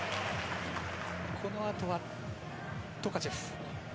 この後はトカチェフ。